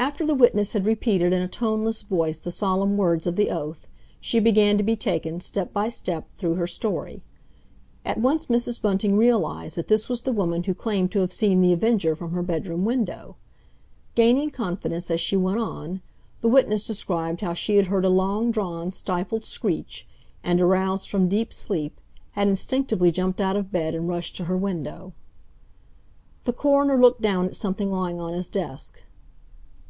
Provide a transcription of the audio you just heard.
After the witness had repeated in a toneless voice the solemn words of the oath, she began to be taken, step by step, though her story. At once Mrs. Bunting realised that this was the woman who claimed to have seen The Avenger from her bedroom window. Gaining confidence, as she went on, the witness described how she had heard a long drawn, stifled screech, and, aroused from deep sleep, had instinctively jumped out of bed and rushed to her window. The coroner looked down at something lying on his desk.